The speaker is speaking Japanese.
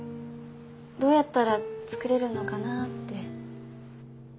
どうやったら作れるのかなって。